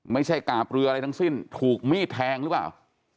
กาบเรืออะไรทั้งสิ้นถูกมีดแทงหรือเปล่า